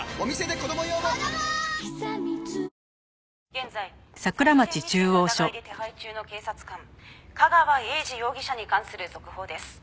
「現在殺人未遂の疑いで手配中の警察官架川英児容疑者に関する続報です」